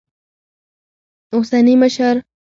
اوسني مشر